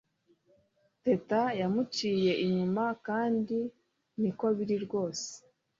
Teta yamuciye inyuma kandi niko biri rwose